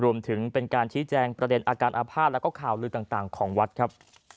รวมถึงเป็นการที่แจงประเด็นอาการอภาพแล้วก็ข่าวลืนต่างของวัดครับ